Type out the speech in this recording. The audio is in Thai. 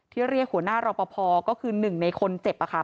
เรียกหัวหน้ารอปภก็คือหนึ่งในคนเจ็บค่ะ